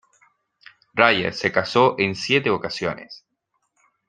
Raye se casó en siete ocasiones.